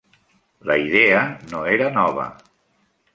La idea no era nova.